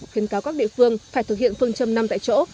khiến cáo các địa phương phải thực hiện phương châm năm tại chỗ